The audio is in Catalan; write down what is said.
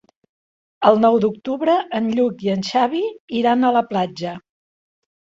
El nou d'octubre en Lluc i en Xavi iran a la platja.